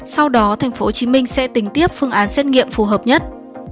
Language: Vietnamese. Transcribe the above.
sau đó tp hcm sẽ tính tiếp phương án xét nghiệm phù hợp nhất